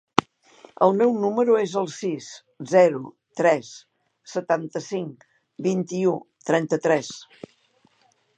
El meu número es el sis, zero, tres, setanta-cinc, vint-i-u, trenta-tres.